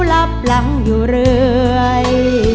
รับหลังอยู่เรื่อย